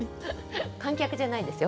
観客じゃないんですよ。